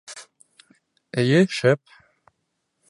Эйе, шәп...